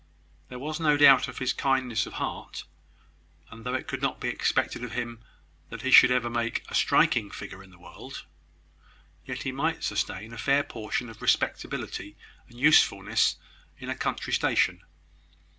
There was no doubt of his kindness of heart; and, though it could not be expected of him that he would ever make a striking figure in the world, yet he might sustain a fair portion of respectability and usefulness in a country station.